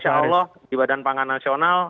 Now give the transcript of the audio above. insya allah di badan pangan nasional